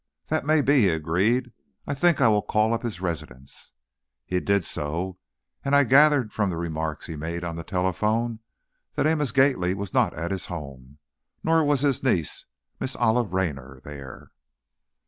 "That may be," he agreed. "I think I will call up his residence." He did so, and I gathered from the remarks he made on the telephone that Amos Gately was not at his home, nor was his niece, Miss Olive Raynor, there.